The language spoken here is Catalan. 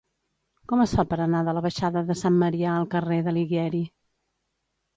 Com es fa per anar de la baixada de Sant Marià al carrer d'Alighieri?